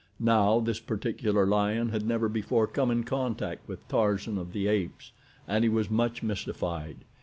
Now this particular lion had never before come in contact with Tarzan of the Apes and he was much mystified.